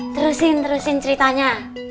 terusin terusin ceritanya